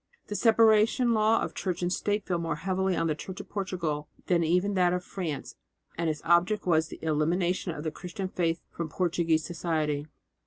The separation law of church and state fell more heavily on the Church in Portugal than even that of France, and its object was the elimination of the Christian faith from Portuguese society.